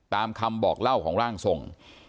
ตามคำบอกเล่าของร่างทรง